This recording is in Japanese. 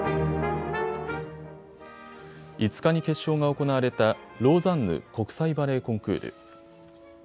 ５日に決勝が行われたローザンヌ国際バレエコンクール。